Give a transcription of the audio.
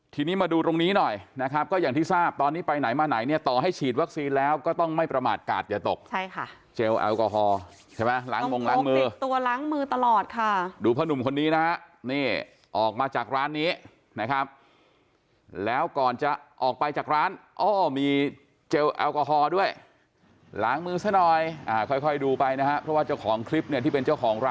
ทีนี้มาดูตรงนี้หน่อยนะครับก็อย่างที่ทราบตอนนี้ไปไหนมาไหนเนี่ยต่อให้ฉีดวัคซีนแล้วก็ต้องไม่ประมาทกาศอย่าตกใช่ค่ะเจลแอลกอฮอล์ใช่ไหมล้างมงล้างมือตัวล้างมือตลอดค่ะดูพ่อหนุ่มคนนี้นะฮะนี่ออกมาจากร้านนี้นะครับแล้วก่อนจะออกไปจากร้านอ้อมีเจลแอลกอฮอล์ด้วยล้างมือซะหน่อยค่อยค่อยดูไปนะฮะเพราะว่าเจ้าของคลิปเนี่ยที่เป็นเจ้าของร